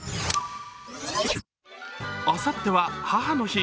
あさっては母の日。